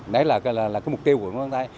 đấy là mục tiêu của quận văn tây